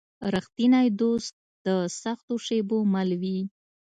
رښتینی دوست د سختو شېبو مل وي.